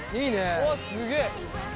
うわっすげえ。